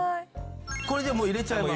これでもう入れちゃいます。